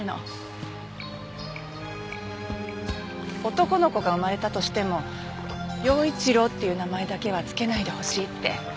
男の子が生まれたとしても耀一郎っていう名前だけは付けないでほしいって。